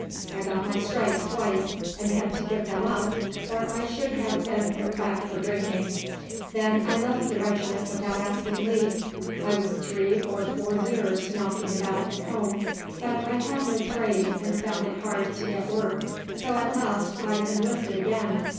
I got my stripes twice, and had to give them up or I should have been put back for drinking. Then I left the regiment without asking leave. I was three or four years knocking about at home; but I had no trade and found it hard to get work, so at last I enlisted again.